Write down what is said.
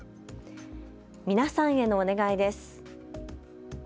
皆さんへのお願いです。